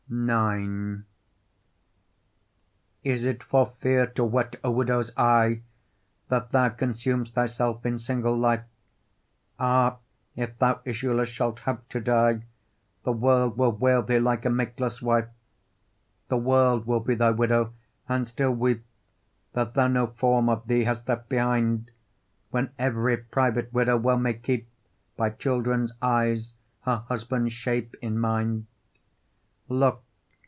IX Is it for fear to wet a widow's eye, That thou consum'st thyself in single life? Ah! if thou issueless shalt hap to die, The world will wail thee like a makeless wife; The world will be thy widow and still weep That thou no form of thee hast left behind, When every private widow well may keep By children's eyes, her husband's shape in mind: Look!